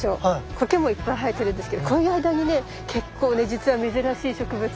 苔もいっぱい生えてるんですけどこういう間にね結構ねじつは珍しい植物。